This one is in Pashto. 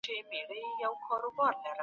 د ماشومنو خبرې په سړه سینه واورئ.